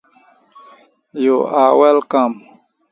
That process is known as pigmentation.